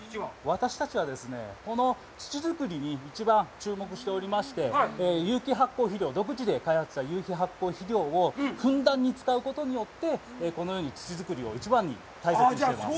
私たちは、この土作りに一番注目しておりまして、有機発酵肥料、独自で開発した有機発酵肥料をふんだんに使うことによってこのように土作りを一番に大切にしております。